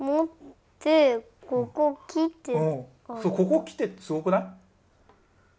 ここきてってすごくない？